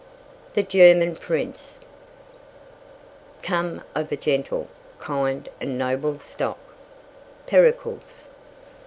THE GERMAN PRINCE. "Come of a gentle, kind, and noble stock." Pericles.